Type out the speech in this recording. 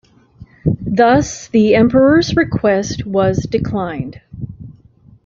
Thus, the Emperor's request was declined.